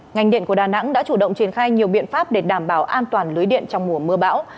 ngành điện của đà nẵng đã chủ động triển khai nhiều biện pháp để đảm bảo an toàn lưới điện trong mùa mưa bão